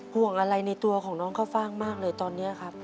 ห่วงอะไรในตัวของน้องข้าวฟ่างมากเลยตอนนี้ครับ